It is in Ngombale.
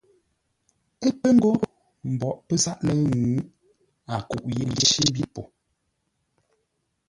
Ə́ pə̂ ńgó mboʼ pə́ záʼ lə̂ʉ ŋuu, a kûʼ yé ncí mbî po.